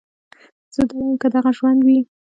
زه دا واييم که دغه ژوند وي